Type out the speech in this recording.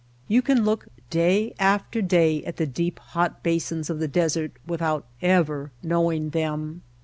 You can look day after day at the deep, hot basins of the desert without ever knowing them.